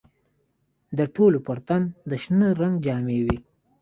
د ټولو پر تن د شنه رنګ جامې وې.